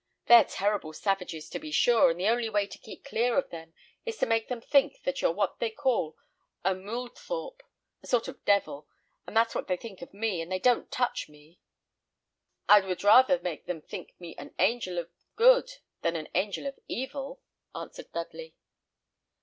They're terrible savages, to be sure, and the only way to keep clear of them is to make them think that you're what they call a 'Mooldthorpe,' a sort of devil that's what they think of me, and they don't touch me." "I would rather make them think me an angel of good than an angel of evil," answered Dudley.